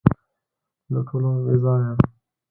له ټولو بېزاره یم .